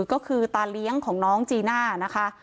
ก็คือตาเลี้ยงของน้องจีน่านะคะ